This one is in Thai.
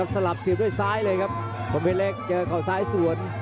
สลับเสียบด้วยซ้ายเลยครับประเภทเล็กเจอเขาซ้ายสวน